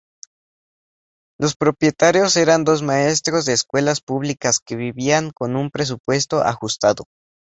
Los propietarios eran dos maestros de escuelas públicas que vivían con un presupuesto ajustado.